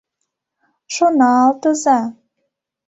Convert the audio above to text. Шоналтыза?